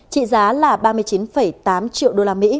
trị giá là ba mươi chín tám triệu usd